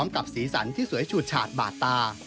กับสีสันที่สวยฉูดฉาดบาดตา